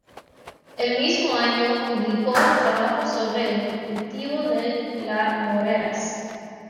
El mismo año, publicó un trabajo sobre el "Cultivo de la moreras".